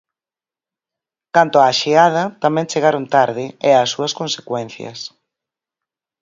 Canto á xeada, tamén chegaron tarde, e ás súas consecuencias.